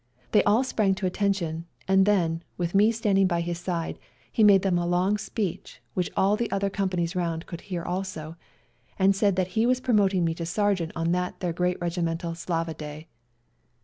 They all sprang to attention, and then, with me standing by his side, he made them a long speech, which all the other companies round could hear also, and said that he was promoting me to sergeant on that their great regimental " Slava day."